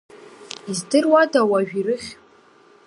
Издыруада уажә ирыхь…